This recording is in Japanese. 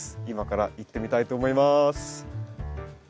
今から行ってみたいと思います。